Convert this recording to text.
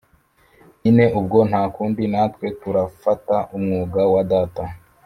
nyine ubwo ntakundi natwe turafata umwuga wa data